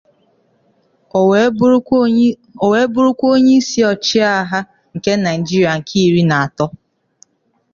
Owee burukwa onye isi ochiagha nke Niagiria nke iri n'ato.